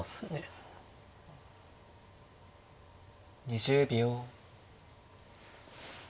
２０秒。